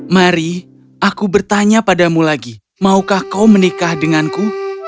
mari aku bertanya padamu lagi maukah kau menikah denganku